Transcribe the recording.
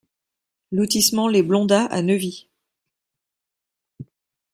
Lotissement Les Blondats à Neuvy